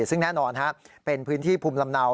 ซึ่งแน่นอนเป็นพื้นที่ภูมิลำเนา